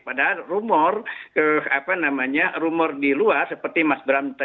padahal rumor di luar seperti mas bram tadi katakan